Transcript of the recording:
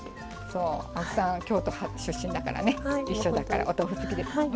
そう青木さん京都出身だからね一緒だからお豆腐好きですよね？